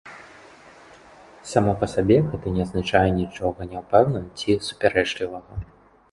Само па сабе гэта не азначае нічога няпэўнага ці супярэчлівага.